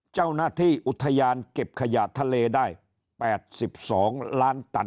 เจ้าหน้าที่อุทยานเก็บขยะทะเลได้๘๒ล้านตัน